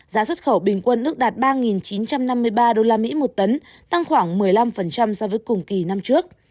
giá xuất khẩu bình quân ước đạt ba chín trăm năm mươi ba đô la mỹ một tấn tăng khoảng một mươi năm so với cùng kỳ năm trước